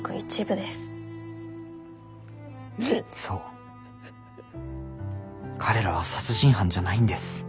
そう彼らは殺人犯じゃないんです。